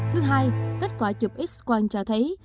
thứ hai kết quả chụp x quang cho thấy